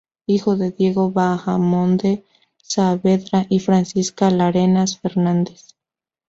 Hijo de Diego Bahamonde Saavedra y Francisca Larenas Fernández.